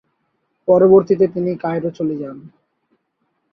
পরবর্তীতে তিনি কায়রো চলে যান।